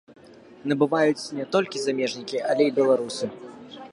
Набываюць не толькі замежнікі, але і беларусы.